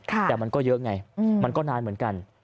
แต่มันก็เยอะไงมันก็นานเหมือนกัน